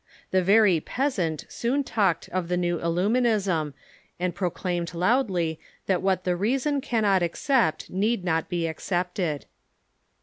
The very peasant soon talked of the new Illuminism, and proclaimed loudly that what the reason cannot accept need not be accepted.